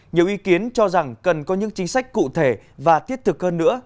nhiều ý kiến cho rằng cần có những chính sách cụ thể và thiết thực hơn nữa